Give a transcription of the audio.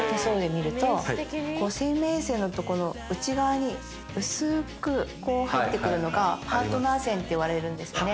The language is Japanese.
生命線のとこの内側に薄ーくこう入ってくるのがパートナー線っていわれるんですね。